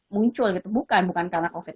muncul gitu bukan bukan karena covid